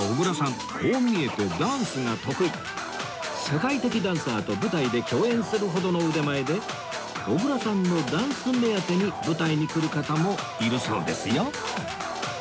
世界的ダンサーと舞台で共演するほどの腕前で小倉さんのダンス目当てに舞台に来る方もいるそうですよ